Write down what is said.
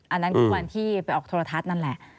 อันนั้นคือวันที่ไปออกโทรทัศน์นั่นแหละ